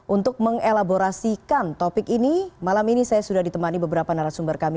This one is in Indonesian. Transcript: untuk mengelaborasikan topik ini malam ini saya sudah ditemani beberapa narasumber kami